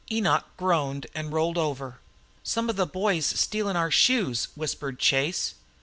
Enoch groaned and rolled over. "Some of the boys stealing our shoes," whispered Chase.